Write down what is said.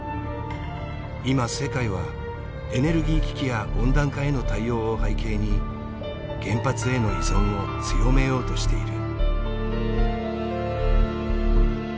今世界はエネルギー危機や温暖化への対応を背景に原発への依存を強めようとしている。